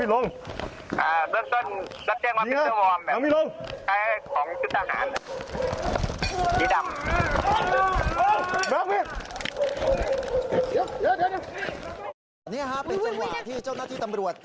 นี่ครับเป็นจังหวะที่เจ้าหน้าที่ตำรวจ